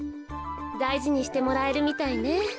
だいじにしてもらえるみたいね。